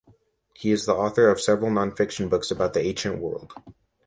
He is the author of several non-fiction books about the ancient world.